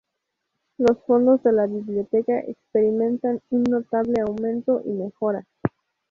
Los fondos de la Biblioteca experimentan un notable aumento y mejora.